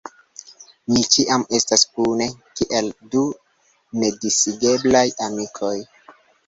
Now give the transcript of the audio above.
Ni ĉiam estas kune, kiel du nedisigeblaj amikoj.